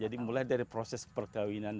jadi mulai dari proses perkawinan